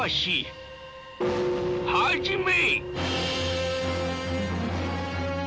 始め！